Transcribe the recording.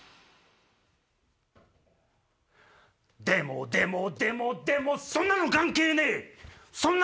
でもでもでもでもそんなの関係ねえ